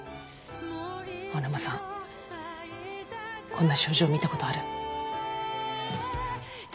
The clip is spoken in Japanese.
青沼さんこんな症状見たことある？